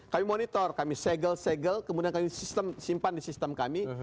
kami monitor kami segel segel kemudian kami simpan di sistem kami